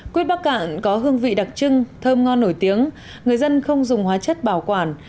quýt bắc cạn có hương vị đặc trưng thơm ngon nổi tiếng người dân không dùng hóa chất bảo quản